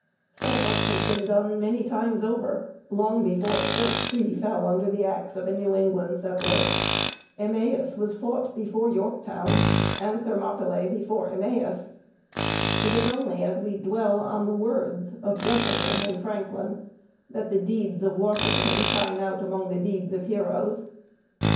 So much had been done many times over, long before the first tree fell under the axe of a New England settler. Emmaus was fought before Yorktown, and Thermopylæ before Emmaus. It is only as we dwell on the words of Jefferson and Franklin that the deeds of Washington shine out among the deeds of heroes.